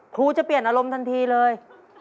ครูจะเปลี่ยนอารมณ์ทันทีเลย